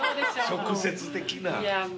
直接的な。